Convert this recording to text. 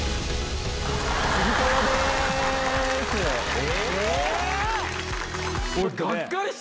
え